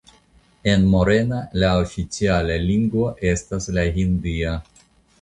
En Morena la oficiala lingvo estas la hindia.